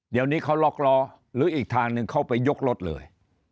เดี๋ยวนี้เขาล็อกล้อหรืออีกทางหนึ่งเข้าไปยกรถเลย